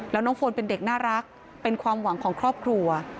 แล้วน้องโฟนเป็นเด็กน่ารักเป็นความหวังของครอบครัว